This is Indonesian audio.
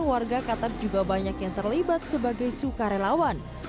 warga qatar juga banyak yang terlibat sebagai sukarelawan